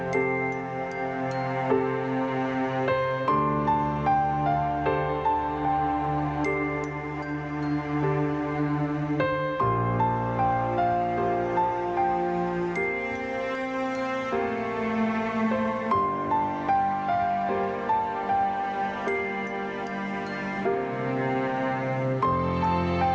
โปรดติดตามตอนต่อไป